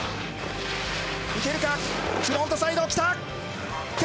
いけるか、フロントサイドきた。